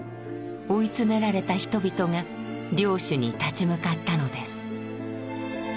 追い詰められた人々が領主に立ち向かったのです。